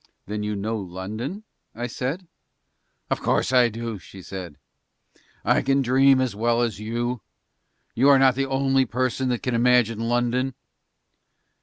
"Then you know London?" I said. "Of course I do," she said. "I can dream as well as you. You are not the only person that can imagine London."